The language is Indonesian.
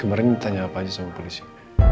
kemarin tanya apa aja sama polisi